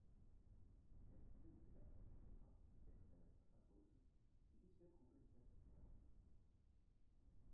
Der Pillendreher ist ein Käfer, der für seine Körpergröße riesige Kugeln hinter sich her rollt.